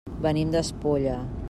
Venim d'Espolla.